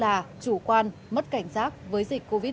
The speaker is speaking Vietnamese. là chủ quan mất cảnh giác với dịch covid một mươi chín